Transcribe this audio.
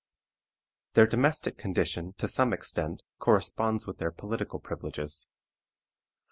Their domestic condition, to some extent, corresponds with their political privileges.